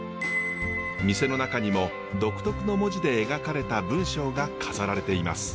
店の中にも独特の文字で描かれた文章が飾られています。